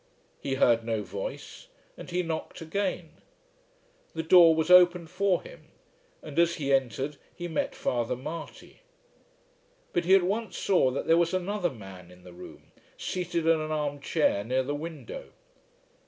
He heard no voice and he knocked again. The door was opened for him, and as he entered he met Father Marty. But he at once saw that there was another man in the room, seated in an arm chair near the window.